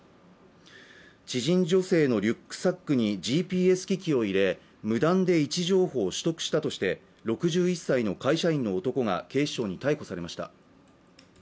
知人女性のリュックサックにＧＰＳ機器を入れ無断で位置情報を取得したとして６１歳の会社員の男が警視庁に逮捕されました